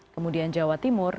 kemudian jawa timur